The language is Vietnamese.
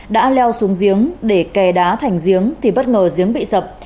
đã leo xuống giếng để kè đá thành giếng thì bất ngờ giếng bị sập